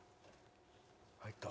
入った。